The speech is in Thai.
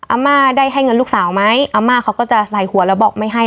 อาม่าได้ให้เงินลูกสาวไหมอาม่าเขาก็จะใส่หัวแล้วบอกไม่ให้